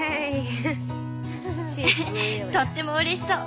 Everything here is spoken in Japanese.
ウフとってもうれしそう。